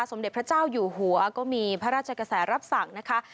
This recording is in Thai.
สมเด็จพระเจ้าอยู่หัวก็มีพระราชกระแสรับสั่งนะคะ